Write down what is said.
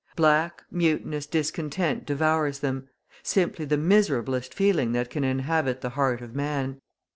Black, mutinous discontent devours them; simply the miserablest feeling that can inhabit the heart of man.